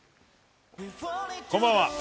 こんばんは。